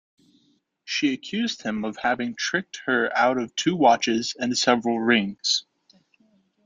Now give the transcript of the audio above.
She accused him of having tricked her out of two watches and several rings.